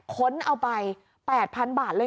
ค้นเอาไป๘๐๐๐บาทเลย